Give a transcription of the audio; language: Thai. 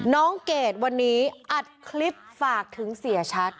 เกดวันนี้อัดคลิปฝากถึงเสียชัด